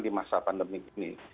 di masa pandemi ini